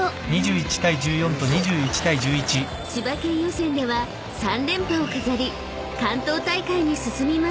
［千葉県予選では３連覇を飾り関東大会に進みます］